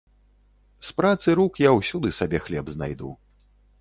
З працы рук я ўсюды сабе хлеб знайду.